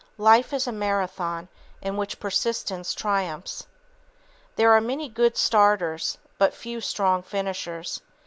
Life is a Marathon in which persistence triumphs. There are many "good starters," but few "strong finishers."